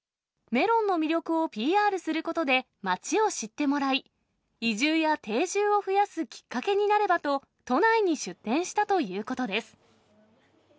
メロンの魅力をＰＲすることで、町を知ってもらい、移住や定住を増やすきっかけになればと、都内に出店したということです。